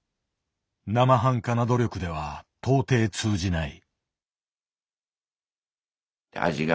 なまはんかな努力では到底通じない。